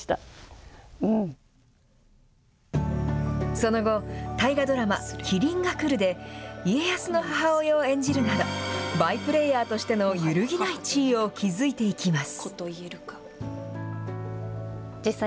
その後、大河ドラマ、麒麟がくるで、家康の母親を演じるなど、バイプレーヤーとしての揺るぎない地位を築いていきます。